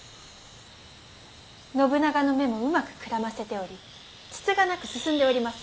信長の目もうまくくらませておりつつがなく進んでおりまする。